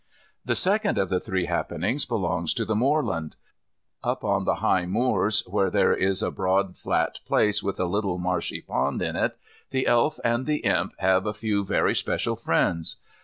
The second of the three happenings belongs to the moorland. Up on the high moors, where there is a broad flat place with a little marshy pond in it, the Elf and the Imp have a few very special friends.